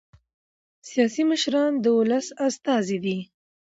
سیاسي مشران د ولس استازي دي